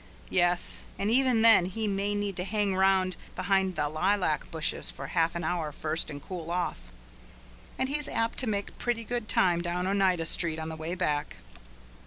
Yes, and even then he may need to hang round behind the lilac bushes for half an hour first, and cool off. And he's apt to make pretty good time down Oneida Street on the way back.